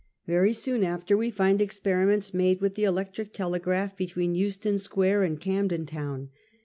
Very soon after we find experiments made with the electric telegraph between Euston Square and Camden Town.